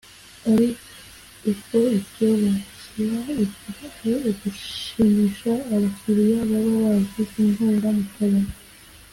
ari uko icyo bashyira imbere ari ugushimisha abakiriya baba baje kunywera mu kabari